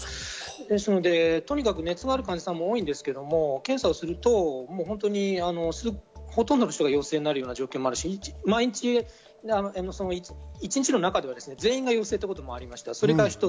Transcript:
ですので、熱のある患者さんも多いんですけれども検査をするとほとんどの人が陽性になる状況もあるし、一日の中では、全員が陽性ということもありました。